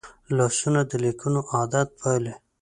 لاسونه د لیکلو عادت پالي